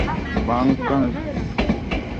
Bunker বিস্ফোরক drill ব্যবহৃত হবে।